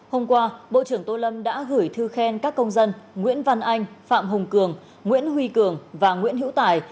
hôm qua bộ trưởng tô lâm đã gửi thư khen các công dân nguyễn văn anh phạm hùng cường nguyễn huy cường và nguyễn hữu tài